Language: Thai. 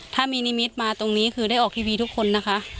ถ้ามีนิมิตมาตรงนี้คือได้ออกทีวีทุกคนนะคะ